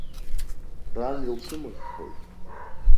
Ран илцәымыӷхоит.